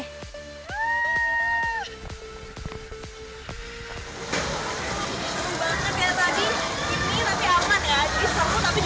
cukup banget ya tadi ini tapi aman ya disemut tapi juga aman